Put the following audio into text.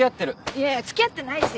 いやいやつきあってないし。